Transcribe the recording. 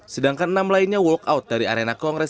sedangkan enam lainnya walk out dari arena kongres